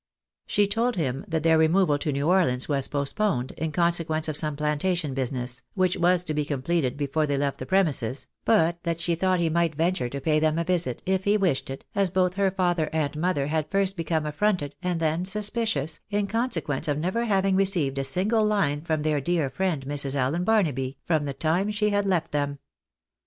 She told him that their removal to New Orleans was postponed, in consequence of some plantation business, which was to be com pleted before they left the premises, but that she thought he might venture to pay them a visit, ^' if he icished it" as both her father and mother had first become affronted, and then fcuspicious, in consequence of never having received a single line from their dear friend Mrs. Allen Barnaby, from the time she had left them.